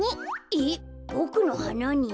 えっボクのはなに？